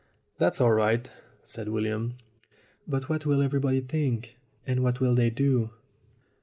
"That's all right," said William. "But what will everybody think? And what will they do?"